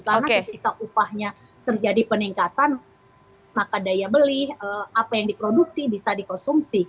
karena jika upahnya terjadi peningkatan maka daya beli apa yang diproduksi bisa dikonsumsi